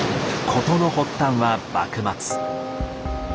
事の発端は幕末。